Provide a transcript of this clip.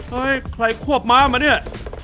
เฮ้ยใครควบม้ามะเนี่ย